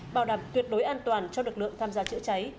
bảo đảm tuyệt đối an toàn cho lực lượng tham gia chữa cháy